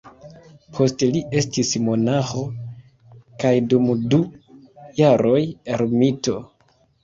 Poste li estis monaĥo, kaj dum du jaroj ermito.